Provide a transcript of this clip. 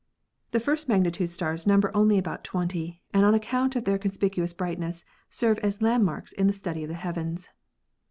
The first magnitude stars number only about 20 and on account of their conspicuous brightness serve as land marks in the study of the heavens.